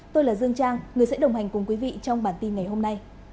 tôi là dương trang người sẽ đồng hành cùng quý vị trong bản tin ngày hôm nay